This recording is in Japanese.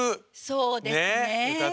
そうですね。